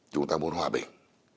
chúng ta muốn hòa bình